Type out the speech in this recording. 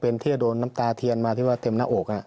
เป็นที่จะโดนน้ำตาเทียนมาที่ว่าเต็มหน้าอก